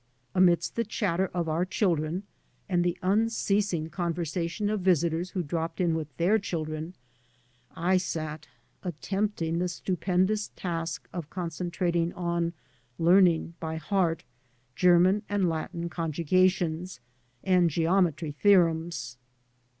Amidst the chatter of our children, and the unceasing conversation of visitors who dropped in with their children, I sat, attempting the stupendous task of con centrating on " learning by heart " German and Latin conjugations, and geometry theorems.